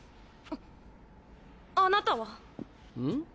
あなたは？ん？